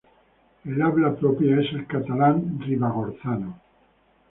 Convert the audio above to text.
El habla propia es el catalán ribagorzano.